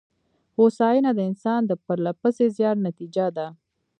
هوساینه د انسان د پرله پسې زیار نتېجه ده.